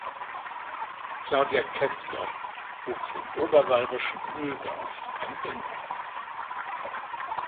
Claudia Kessler wuchs im oberbayerischen Mühldorf am Inn auf.